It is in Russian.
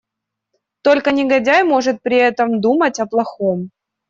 Только негодяй может при этом думать о плохом.